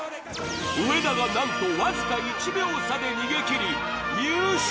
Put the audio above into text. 上田が何とわずか１秒差で逃げ切り優勝